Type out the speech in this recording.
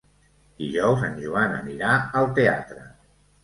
Dijous en Joan anirà al teatre.